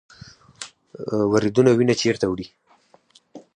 وریدونه وینه چیرته وړي؟